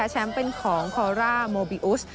แชมป์เป็นของคอร่าโมบิอุส